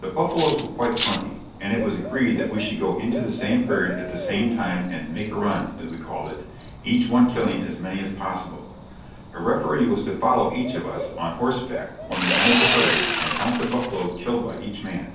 The buffaloes were quite plenty, and it was agreed that we should go into the same herd at the same time and "make a run," as we called it, each one killing as many as possible. A referee was to follow each of us on horseback when we entered the herd, and count the buffaloes killed by each man.